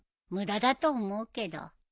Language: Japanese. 無駄だと思うけど。